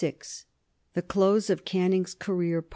THE CLOSE OF CANNING'S CAREER.